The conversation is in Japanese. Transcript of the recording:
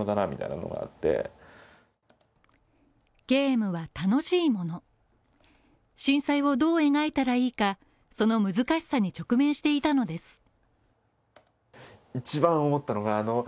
ゲームは楽しいもの震災をどう描いたらいいのかその難しさに直面していたのです。